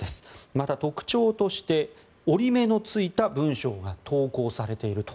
また、特徴として折り目のついた文書が投稿されていると。